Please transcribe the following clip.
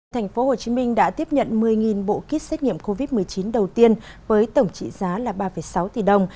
tp hcm đã tiếp nhận một mươi bộ kit xét nghiệm covid một mươi chín đầu tiên với tổng trị giá là ba sáu tỷ đồng